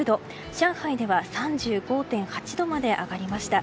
上海では３５．８度まで上がりました。